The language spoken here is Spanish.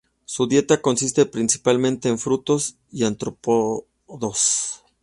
Su dieta consiste principalmente en frutos y artrópodos.